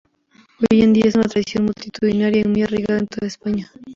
Hoy en día es una tradición multitudinaria y muy arraigada en toda España.